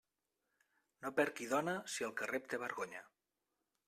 No perd qui dóna si el que rep té vergonya.